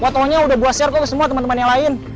what's on nya udah gue share ke semua temen temen yang lain